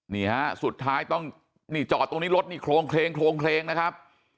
นี่ฮะสุดท้ายต้องนี่จอดตรงนี้รถนี่โครงเคลงโครงเคลงนะครับ